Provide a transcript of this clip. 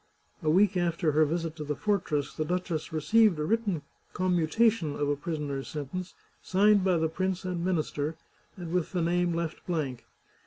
A week after her visit to the fortress, the duchess received a written commutation of a prisoner's sentence, signed by the prince and minister, and with the name left blank.